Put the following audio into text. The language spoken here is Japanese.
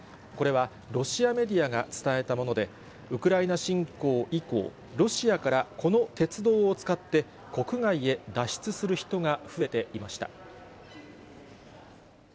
これは、ロシアメディアが伝えたもので、ウクライナ侵攻以降、ロシアからこの鉄道を使って、国外へ脱出する人が増えていました。